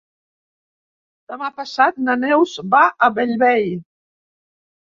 Demà passat na Neus va a Bellvei.